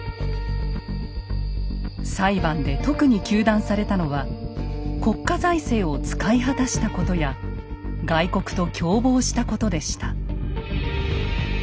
裁判で特に糾弾されたのは国家財政を使い果たしたことや外国と共謀したことでした。